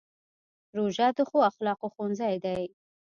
روژه د ښو اخلاقو ښوونځی دی.